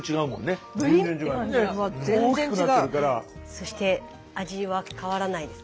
そして味は変わらないです。